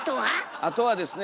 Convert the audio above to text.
あとはですね